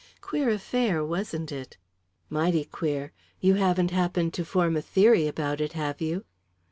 Queer affair, wasn't it?" "Mighty queer. You haven't happened to form a theory about it, have you?"